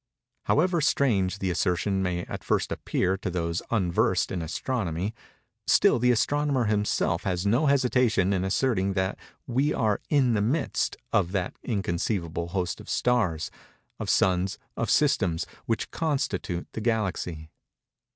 However strange the assertion may at first appear to those unversed in Astronomy, still the astronomer himself has no hesitation in asserting that we are in the midst of that inconceivable host of stars—of suns—of systems—which constitute the Galaxy.